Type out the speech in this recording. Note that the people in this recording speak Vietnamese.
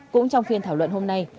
cũng trong phiên thảo luận hôm nay